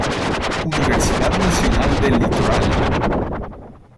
Universidad Nacional del Litoral.